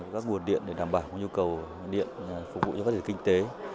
các nguồn điện để đảm bảo nhu cầu điện phục vụ cho phát triển kinh tế